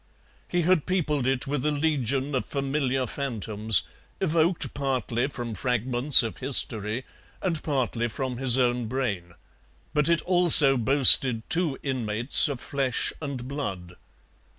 He had peopled it with a legion of familiar phantoms, evoked partly from fragments of history and partly from his own brain, but it also boasted two inmates of flesh and blood.